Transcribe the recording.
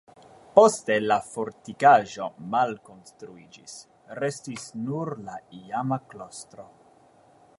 Poste la fortikaĵo malkonstruiĝis, restis nur la iama klostro.